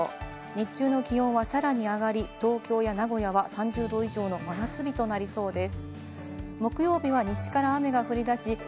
日中の気温はさらに上がり、東京や名古屋は３０度以上の真夏日となりそうです。